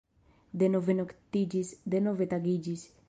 Denove noktiĝis; denove tagiĝis.